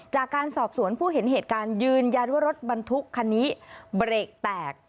จากการสอบสวนผู้เห็นเหตุการณ์ยืนยันว่ารถบรรทุกคันนี้เบรกแตก